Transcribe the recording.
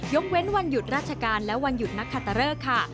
เว้นวันหยุดราชการและวันหยุดนักคาตะเริกค่ะ